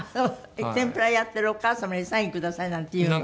天ぷらやってるお母様に「サインください」なんて言うの？